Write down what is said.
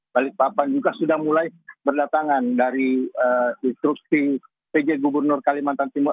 balikpapan juga sudah mulai berdatangan dari instruksi pj gubernur kalimantan timur